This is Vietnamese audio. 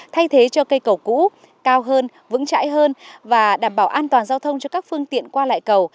thay thế cho cây cầu cũ cao hơn vững chãi hơn và đảm bảo an toàn giao thông cho các phương tiện qua lại cầu